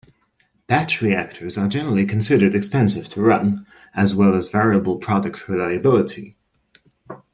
Batch reactors are generally considered expensive to run, as well as variable product reliability.